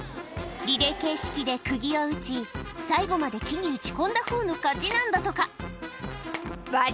リレー形式でくぎを打ち、最後まで木に打ち込んだほうの勝ちなんだとか。